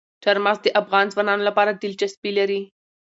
چار مغز د افغان ځوانانو لپاره دلچسپي لري.